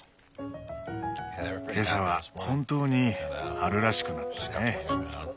今朝は本当に春らしくなったね。